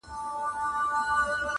o لا تر اوسه پر کږو لارو روان یې,